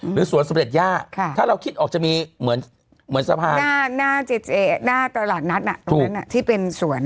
หรือสวนสำเร็จย่าถ้าเราคิดออกจะมีเหมือนสะพานหน้าตลาดนัดตรงนั้นที่เป็นสวน